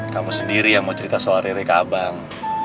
kamu sendiri yang mau cerita soal rere ke abang